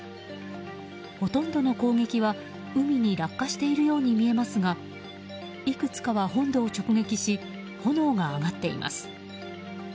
ほとんどの攻撃は海に落下しているように見えますがいくつかは本土を直撃し炎が上がっています。